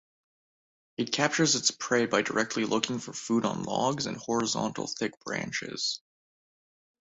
It captures its preys by directly looking for food on logs and horizontal thick branches.